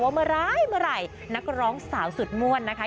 ว่าเมื่อไหร่นักร้องสาวสุดมวลนะคะ